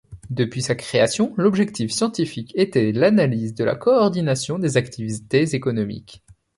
Depuis sa création, l’objectif scientifique était l’analyse de la coordination des activités économiques.